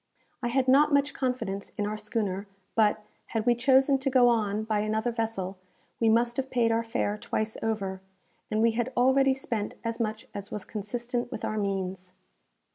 I had not much confidence in our schooner; but, had we chosen to go on by another vessel, we must have paid our fare twice over, and we had already spent as much as was consistent with our means.